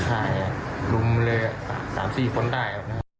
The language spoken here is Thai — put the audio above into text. ใช่ลุมเลย๓๔คนได้